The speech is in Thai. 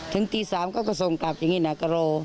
ถึงตี๓เขาก็ส่งกลับอย่างนี้นะก็รอ